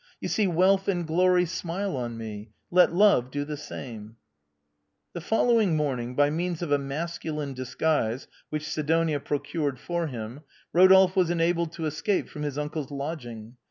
" You see, wealth and glory smile on me ; let love do the same !"The following morning, by means of a masculine dis guise, which Sidonia procured for him, Rodolphe was en abled to escape from his uncle's lodging.